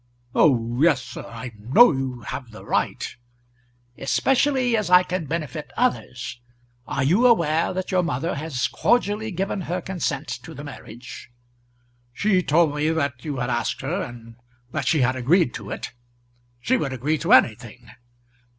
"Oh, yes, sir; I know you have the right." "Especially as I can benefit others. Are you aware that your mother has cordially given her consent to the marriage?" "She told me that you had asked her, and that she had agreed to it. She would agree to anything."